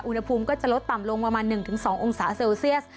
อุณหภูมิก็จะลดต่ำลงประมาณหนึ่งถึงสององศาเซลเซียส